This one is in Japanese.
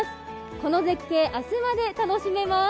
この絶景、明日まで楽しめます。